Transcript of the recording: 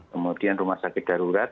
kemudian rumah sakit darurat